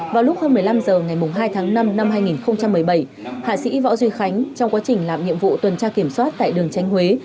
vào lúc hơn một mươi năm h ngày hai tháng năm năm hai nghìn một mươi bảy hạ sĩ võ duy khánh trong quá trình làm nhiệm vụ tuần tra kiểm soát tại đường tránh huế